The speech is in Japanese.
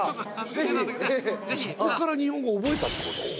そこから日本語覚えたってこと？